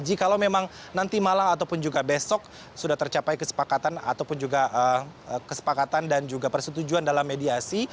jika memang nanti malam ataupun juga besok sudah tercapai kesepakatan ataupun juga kesepakatan dan juga persetujuan dalam mediasi